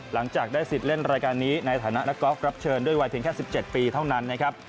หลังจากได้สิทธิ์เล่นรายการนี้ในฐานะนักกอล์ฟรับเชิญด้วยวัยเพียงแค่๑๗ปีเท่านั้นนะครับ